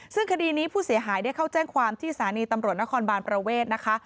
ซึ่งคดีนี้ผู้เสียหายได้เข้าแจ้งความที่สถานีตำรวจนครบานประเวทนะคะ